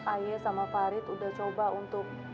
aye sama farid udah coba untuk